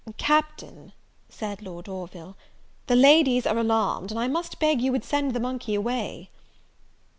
"Captain," said Lord Orville, "the ladies are alarmed; and I must beg you would send the monkey away."